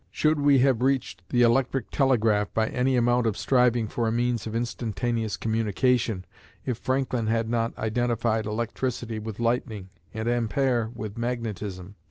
Should we have reached the electric telegraph by any amount of striving for a means of instantaneous communication, if Franklin had not identified electricity with lightning, and Ampère with magnetism?